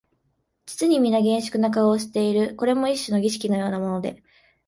実にみな厳粛な顔をして食べている、これも一種の儀式のようなもので、